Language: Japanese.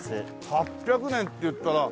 ８００年っていったらあ